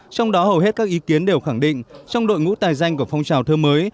trong đó hầu hết các ý kiến đều khẳng định trong đội ngũ tài danh của phong trào thơ mới